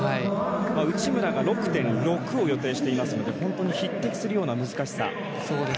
内村が６．６を予定していますので本当に匹敵するような難しさ。